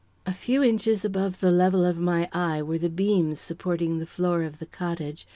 A few inches above the level of my eye were the beams supporting the floor of the cottage.